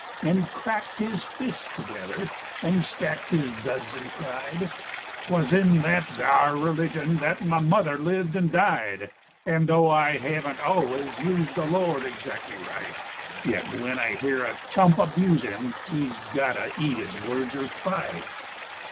And he cracked his fists together And he stacked his duds and cried, "'Twas in that thar religion That my mother lived and died; And though I haven't always Used the Lord exactly right, Yet when I hear a chump abuse him He's got to eat his words or fight."